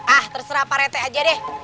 ah terserah pak rete aja deh